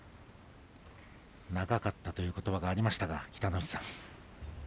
長かったということばありましたが北の富士さん。